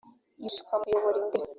yifashishwa mu kuyobora indege